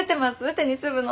テニス部の。